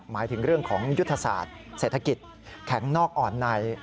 หมายถึงเรื่องของยุทธศาสตร์เศรษฐกิจแข็งนอกอ่อนใน